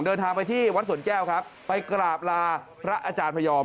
เดินทางไปที่วัดสวนแก้วครับไปกราบลาพระอาจารย์พยอม